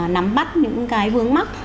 nắm bắt những cái vướng mắt